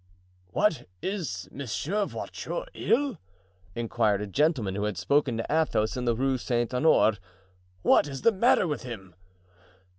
"What, is Monsieur Voiture ill?" inquired a gentleman who had spoken to Athos in the Rue Saint Honore; "what is the matter with him?"